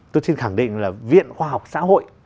tôi xin khẳng định là viện khoa học xã hội